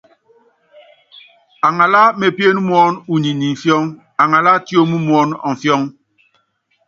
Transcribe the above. Aŋalá mepién muɔn uniɛ ni imfiɔ́ŋ, aŋalá tióm muɔ́n ɔmfiɔŋ.